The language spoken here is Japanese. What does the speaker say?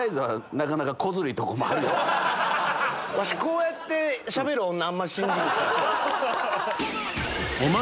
ワシこうやってしゃべる女あんまり信じへんから。